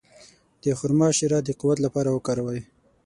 د خرما شیره د قوت لپاره وکاروئ